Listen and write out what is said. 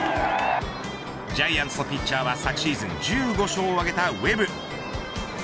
ジャイアンツのピッチャーは昨シーズン１５勝を挙げたウェブ。